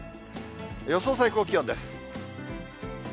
予想最高気温です。